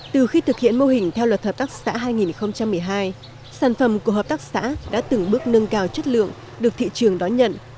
từ khi thực hiện mô hình theo luật hợp tác xã hai nghìn một mươi hai sản phẩm của hợp tác xã đã từng bước nâng cao chất lượng được thị trường đón nhận